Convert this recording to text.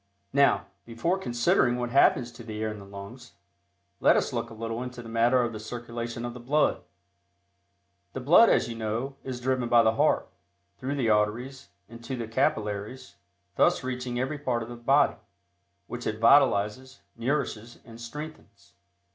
Now, before considering what happens to the air in the lungs, let us look a little into the matter of the circulation of the blood. The blood, as you know, is driven by the heart, through the arteries, into the capillaries, thus reaching every part of the body, which it vitalizes, nourishes and strengthens.